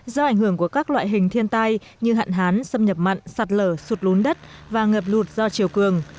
do ảnh hưởng của các loại hình thiên tai như hạn hán xâm nhập mặn sạt lở sụt lún đất và ngập lụt do chiều cường